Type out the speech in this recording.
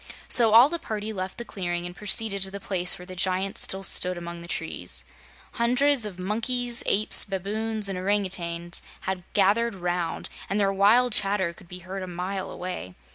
So all the party left the clearing and proceeded to the place where the giants still stood among the trees. Hundreds of monkeys, apes, baboons and orangoutangs had gathered round, and their wild chatter could be heard a mile away.